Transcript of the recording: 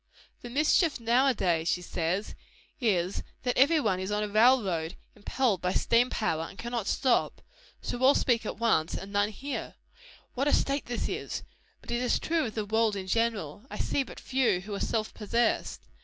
"The mischief now a days," she says, "is, that every one is on a railroad, impelled by steam power, and cannot stop; so all speak at once, and none hear. What a state is this! But it is true of the world in general. I see but few who are self possessed.